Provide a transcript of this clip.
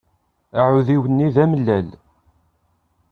Aɛudiw-nni d amellal.